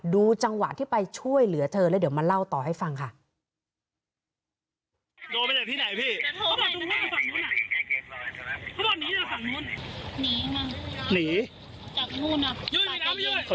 ดูจังหวะที่ไปช่วยเหลือเธอแล้วเดี๋ยวมาเล่าต่อให้ฟังค่ะ